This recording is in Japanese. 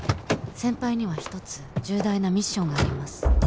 先輩にはひとつ重大なミッションがあります。